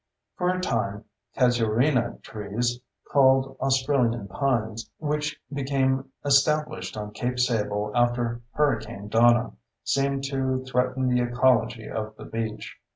For a time, casuarina trees (called "Australian pines"), which became established on Cape Sable after Hurricane Donna, seemed to threaten the ecology of the beach.